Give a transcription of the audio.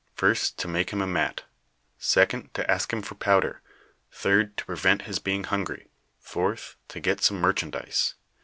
lii I' , i ::;;' 1 firet, to malce Iiim a mat; second, to ask him for powder; third, te prevent his being hnngry ; fourth, to get some mer chandise.